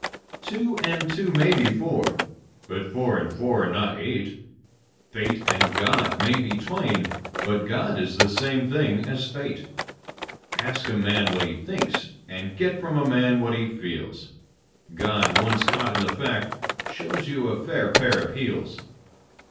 Two and two may be four: but four and four are not eight: Fate and God may be twain: but God is the same thing as fate. Ask a man what he thinks, and get from a man what he feels: God, once caught in the fact, shows you a fair pair of heels.